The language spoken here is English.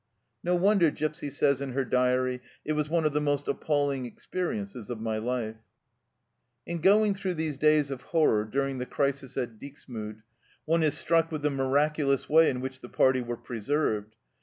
No wonder Gipsy says in her diary, " It was one of the most appalling experiences of my life !" In going through these days of horror during the crisis at Dixmude one is struck with the miraculous way in which the party were preserved.